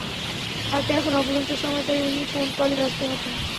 হাতে এখন অফুরন্ত সময় তাই উনি ফোন কলে ব্যস্ত থাকেন।